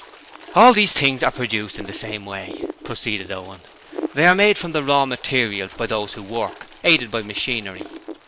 'All these things are produced in the same way,' proceeded Owen. 'They are made from the Raw materials by those who work aided by machinery.